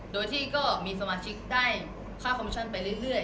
โดยที่ก็มีสมาชิกได้ค่าคอมชั่นไปเรื่อย